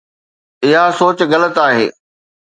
اها سوچ غلط آهي.